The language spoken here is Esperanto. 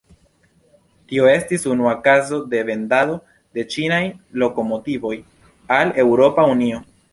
Tio estis unua kazo de vendado de ĉinaj lokomotivoj al Eŭropa Unio.